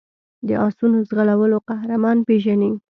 د آسونو ځغلولو قهرمان پېژني.